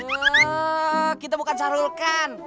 eee kita bukan sahrukan